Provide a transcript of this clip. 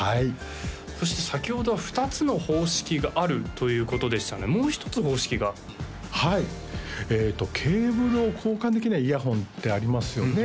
そして先ほどは２つの方式があるということでしたのでもう一つ方式がはいケーブルを交換できないイヤホンってありますよね